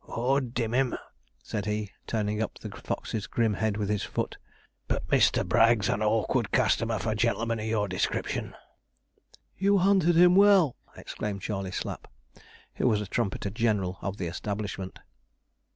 ''Ord dim him,' said he, turning up the fox's grim head with his foot, 'but Mr. Bragg's an awkward customer for gen'lemen of your description.' 'You hunted him well!' exclaimed Charley Slapp, who was trumpeter general of the establishment.